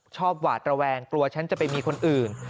หวาดระแวงกลัวฉันจะไปมีคนอื่น